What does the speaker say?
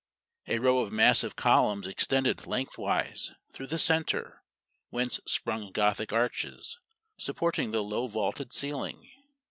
A row of massive columns extended lengthwise through the centre, whence sprung Gothic arches, supporting the low vaulted ceiling.